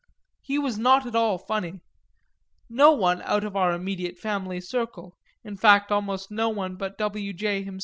He was not at all funny no one out of our immediate family circle, in fact almost no one but W. J.